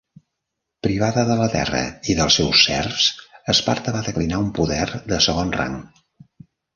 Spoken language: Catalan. Privada de la terra i dels seus serfs, Esparta va declinar un poder de segon rang.